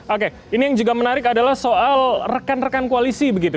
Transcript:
oke ini yang juga menarik adalah soal rekan rekan koalisi begitu